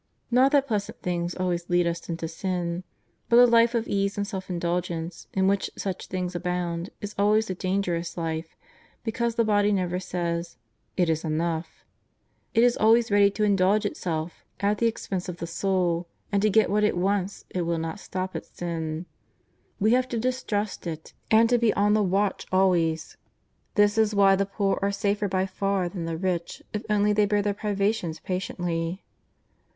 Kot that pleasant things always lead us into sin. But a life of ease and self indulgence, in which such things abound, is always a dangerous life, because the body never says :" It is enough.'^ It is always ready to indulge itself at the expense of the soul, and to get what it wants it will not stop at sin. We have to distrust it and to be on the watch always. This is why the poor are safer by far than the rich if only they bear their privations pa tiently.